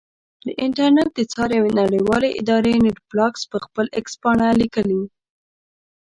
د انټرنېټ د څار یوې نړیوالې ادارې نېټ بلاکس پر خپل ایکس پاڼه لیکلي.